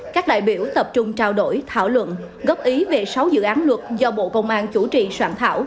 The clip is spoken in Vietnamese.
các đại biểu tập trung trao đổi thảo luận góp ý về sáu dự án luật do bộ công an chủ trì soạn thảo